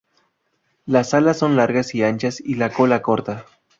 Las alas son largas y anchas y la cola corta.